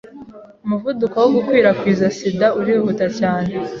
Umuvuduko wo gukwirakwiza sida urihuta cyane.